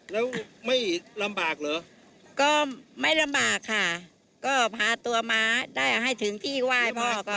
แล้วไม่ลำบากเหรอก็ไม่ลำบากค่ะก็พาตัวมาได้ให้ถึงที่ไหว้พ่อก่อน